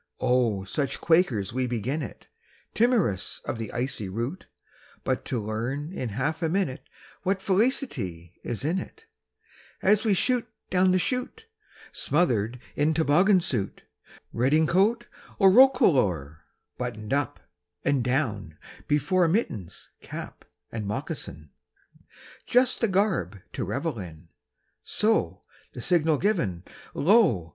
Oh, such quakers we begin it, Timorous of the icy route! But to learn in half a minute What felicity is in it, As we shoot down the chute, Smothered in toboggan suit, Redingote or roquelaure, Buttoned up (and down) before, Mittens, cap, and moccasin, Just the garb to revel in; So, the signal given, lo!